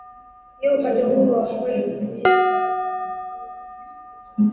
hiyo ipate uhuru wa kweli Kwa kutumia vibaraka wao kama Kasavubu na Mobutu Wabeligiji